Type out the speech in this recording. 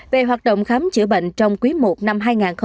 về hoạt động khám chữa bệnh trong quý i năm hai nghìn hai mươi